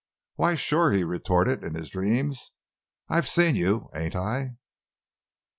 "Why, sure," he retorted, in his dreams; "I've seen you, ain't I?"